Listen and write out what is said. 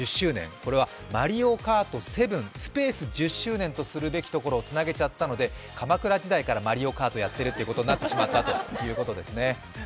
これは「マリオカート７」１０周年とするところをつなげちゃったので、鎌倉時代から「マリオカート」をやってるってことになったんですね。